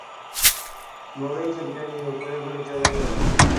বলেই ছবিটা নিয়ে উপরের ঘরে চলে গেল।